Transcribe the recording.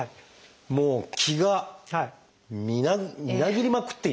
もう「気」がみなぎりまくっていて。